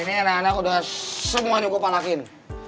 ini anak anak udah semuanya gue panasin